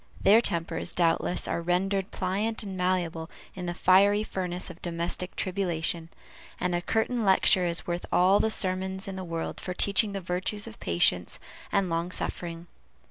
Their tempers, doubtless, are rendered pliant and malleable in the fiery furnace of domestic tribulation, and a curtain lecture is worth all the sermons in the world for teaching the virtues of patience and long suffering.